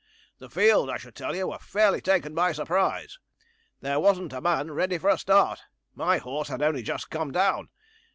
'The field, I should tell you, were fairly taken by surprise. There wasn't a man ready for a start; my horse had only just come down.